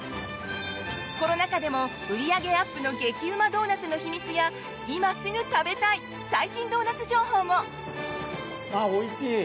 コロナ禍でも売り上げアップの激うまドーナツの秘密や今すぐ食べたい最新ドーナツ情報も。